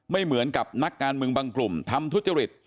ไม่เหมือนกับนักการเมืองบางกลุ่มทำทุจริต